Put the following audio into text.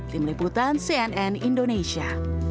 tim liputan cnn indonesia